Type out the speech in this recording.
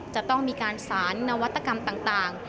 จะต้องมีการสารนวัตกรรมต่าง